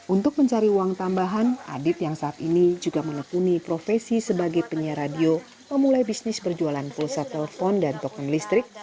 untuk mencari uang tambahan adit yang saat ini juga menekuni profesi sebagai penyiar radio memulai bisnis berjualan pulsa telpon dan token listrik